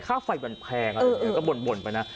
ค่าไฟมันแพงก็บ่นไปนะ